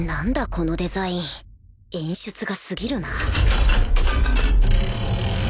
このデザイン演出が過ぎるな